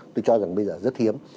tôi cho rằng bây giờ rất hiếm